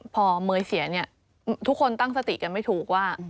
พอเมย์เสียเนี่ยทุกคนตั้งสติกันไม่ถูกว่า